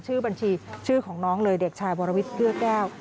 ชื่อบัญชีชื่อของน้องเลยเด็กชายวรวิทย์เอื้อแก้ว